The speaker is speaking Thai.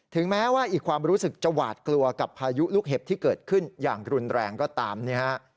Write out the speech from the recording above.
แม้ว่าอีกความรู้สึกจะหวาดกลัวกับพายุลูกเห็บที่เกิดขึ้นอย่างรุนแรงก็ตามเนี่ยฮะ